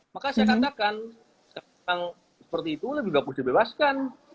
maka saya katakan seperti itu lebih bagus dibebaskan